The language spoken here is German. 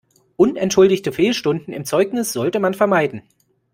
Unentschuldigte Fehlstunden im Zeugnis sollte man vermeiden.